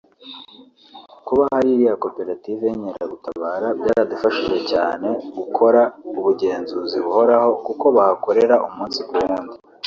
“Kuba hari iriya koperative y’Inkeragutabara byaradufashije cyane gukora ubugenzuzi buhoraho kuko bahakorera umunsi ku wundi”